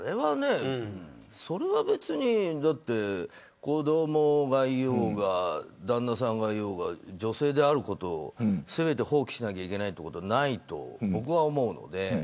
それは別に子どもがいようが旦那さんがいようが女性であることを全て放棄しなきゃいけないことはないと思うので。